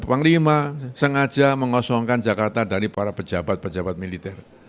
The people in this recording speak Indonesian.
panglima sengaja mengosongkan jakarta dari para pejabat pejabat militer